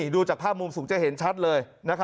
ดูจากภาพมุมสูงจะเห็นชัดเลย